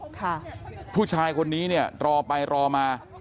ค่ะผู้ชายคนนี้เนี่ยรอไปรอมา